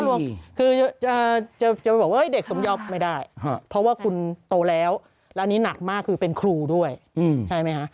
ว่าเด็กสมยอบไม่ได้เพราะว่าคุณโตแล้วร้านนี้หนักมากที่เป็นครูด้วยใช่ไหมค่ะ